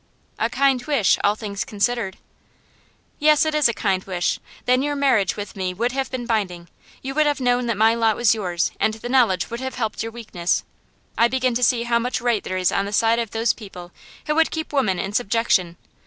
'A kind wish, all things considered.' 'Yes, it is a kind wish. Then your marriage with me would have been binding; you would have known that my lot was yours, and the knowledge would have helped your weakness. I begin to see how much right there is on the side of those people who would keep women in subjection.